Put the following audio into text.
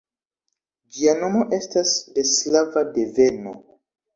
Ĝia nomo estas de slava deveno.